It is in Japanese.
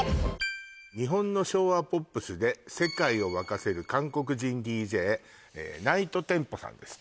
日本の昭和ポップスで世界を沸かせる韓国人ＤＪＮｉｇｈｔＴｅｍｐｏさんです